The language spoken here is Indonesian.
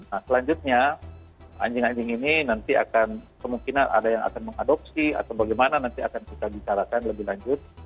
nah selanjutnya anjing anjing ini nanti akan kemungkinan ada yang akan mengadopsi atau bagaimana nanti akan kita bicarakan lebih lanjut